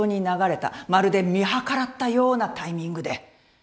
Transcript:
まるで見計らったようなタイミングで。